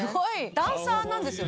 ダンサーなんですよね？